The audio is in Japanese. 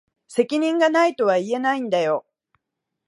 責任が無いとは言えないんだよ。